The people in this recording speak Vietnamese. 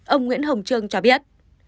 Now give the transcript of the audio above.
ông nguyễn hồng trương cho biết